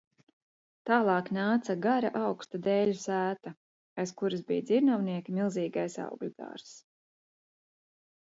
Tālāk nāca gara, augsta dēļu sēta, aiz kuras bija dzirnavnieka milzīgais augļu dārzs.